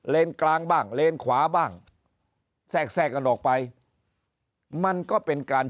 กลางบ้างเลนขวาบ้างแทรกแทรกกันออกไปมันก็เป็นการ